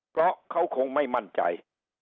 เพราะเขาคงไม่มั่นใจ